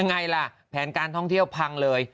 ไงล่ะแผนการท่องเที่ยวพังเลย